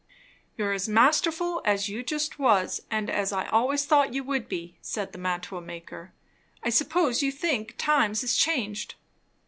"You're as masterful as you just was, and as I always thought you would be," said the mantua maker. "I suppose you think times is changed."